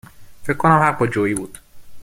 فکر کنم حق با جویی بود